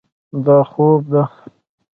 دا خوب ده.